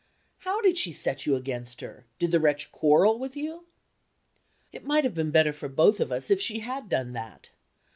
"How did she set you against her? Did the wretch quarrel with you?" "It might have been better for both of us if she had done that.